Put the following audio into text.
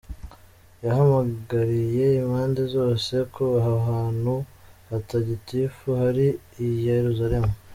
Yahamagariye impande zose kubaha ahantu hatagatifu hari i Yeruzalemu.